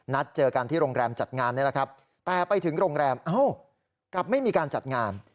เจอกันที่โรงแรมจัดงานนี่แหละครับแต่ไปถึงโรงแรมเอ้ากลับไม่มีการจัดงาน